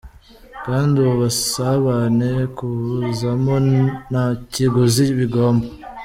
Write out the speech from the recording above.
Kandi ubu busabane kubuzamo nta kiguzi bigomba.